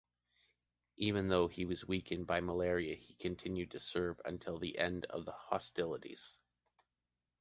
Even though he was weakened by malaria, he continued to serve until the end of the hostilities.